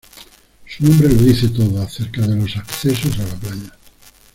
Su nombre lo dice todo acerca de los accesos a la playa.